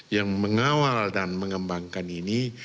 yang mengawal dan mengembangkan ini